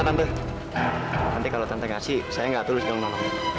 tante kalau tante ngasih saya gak turun sekarang nolong